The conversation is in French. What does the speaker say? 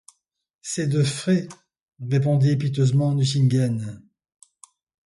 C’esde frai, répondit piteusement Nucingen.